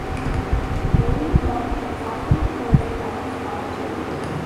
Lady Macbeth is often referred to as the "Scottish Lady".